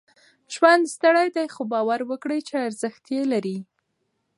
ژوند ستړی دی، خو؛ باور وکړئ چې ارزښت لري.